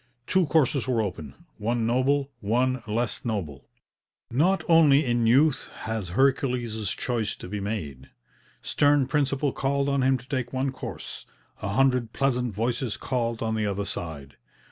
Two courses were open, one noble, one less noble. Not only in youth has Hercules' Choice to be made. Stern principle called on him to take one course, a hundred pleasant voices called on the other side.